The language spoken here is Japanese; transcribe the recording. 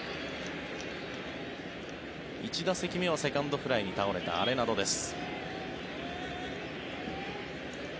１打席目はセカンドフライに倒れたアレナドです。